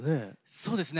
そうですね。